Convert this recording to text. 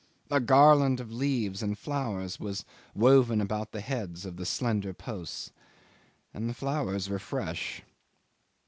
A garland of leaves and flowers was woven about the heads of the slender posts and the flowers were fresh.